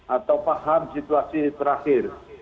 atau paham situasi terakhir